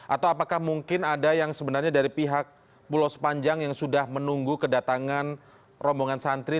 atau apakah mungkin ada yang sebenarnya dari pihak pulau sepanjang yang sudah menunggu kedatangan rombongan santri